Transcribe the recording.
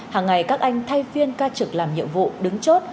hàng ngày các anh thay phiên ca trực làm nhiệm vụ đứng chốt